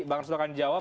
bang arsul akan jawab